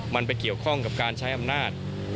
มันไปเกี่ยวข้องกับการใช้อำนาจ